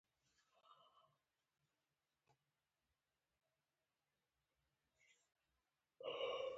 د نجونو تعلیم د سولې پیغام خپروي.